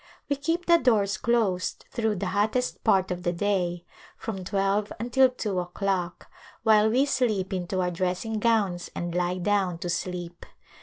We keep the doors closed through the hottest part of the day — from twelve until two o'clock •— while we slip into our dressing gowns and lie down to sleep.